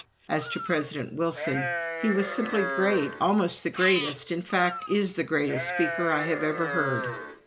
As to President Wilson, "He was simply great almost the greatest, in fact is the greatest, speaker I have ever heard."